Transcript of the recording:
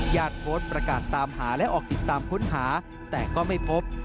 โพสต์ประกาศตามหาและออกติดตามค้นหาแต่ก็ไม่พบ